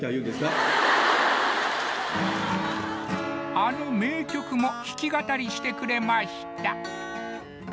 あの名曲も弾き語りしてくれました